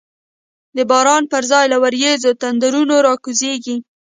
د باران پر ځای له وریځو، تندرونه را کوزیږی